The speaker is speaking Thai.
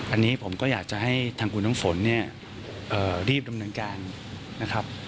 อันนี้ผมก็อยากจะให้ทางคุณน้ำฝนเนี่ยรีบดำเนินการนะครับ